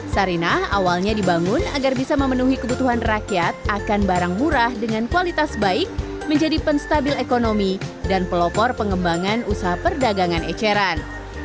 sarinah awalnya dibangun agar bisa memenuhi kebutuhan rakyat akan barang murah dengan kualitas baik menjadi penstabil ekonomi dan pelopor pengembangan usaha perdagangan eceran